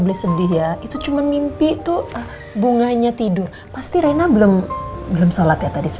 beli sedih ya itu cuman mimpi tuh bunganya tidur pasti rena belum belum sholat ya tadi sih